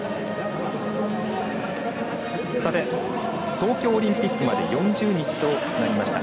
東京オリンピックまで４０日となりました。